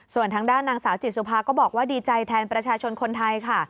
ส่วนทางด้านนางสาวจิตสุภาก็บอกว่าดีใจแทนประชาชนคนไทยค่ะ